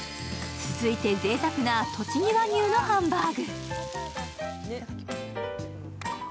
続いてぜいたくなとちぎ和牛のハンバーグ。